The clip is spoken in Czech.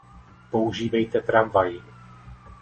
Používejte tramvaj.